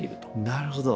なるほど。